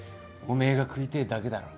おめえが食いてえだけだろ。